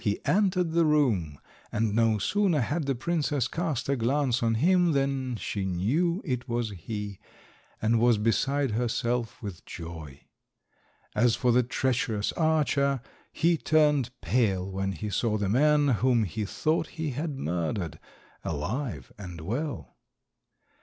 He entered the room, and no sooner had the princess cast a glance on him than she knew it was he, and was beside herself with joy. As for the treacherous archer, he turned pale when he saw the man, whom he thought he had murdered, alive and well.